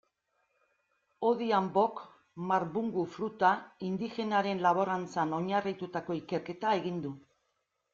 Odhiambok marbungu fruta indigenaren laborantzan oinarritututako ikerketa egin du.